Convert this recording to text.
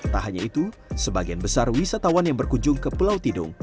tak hanya itu sebagian besar wisatawan yang berkunjung ke pulau tidung